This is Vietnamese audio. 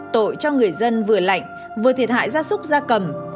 tội cho người dân vừa lạnh vừa thiệt hại gia súc gia cầm